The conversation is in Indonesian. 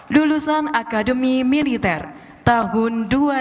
lulusan akademi militer tahun dua ribu